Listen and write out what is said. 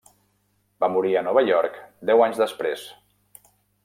Va morir a Nova York deu anys després.